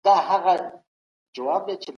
د جلال اباد په صنعت کي د پرمختګ لوری څه دی؟